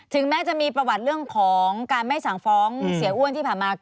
แม้จะมีประวัติเรื่องของการไม่สั่งฟ้องเสียอ้วนที่ผ่านมา